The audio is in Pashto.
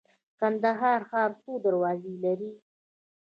کندهار ښار څو دروازې لري؟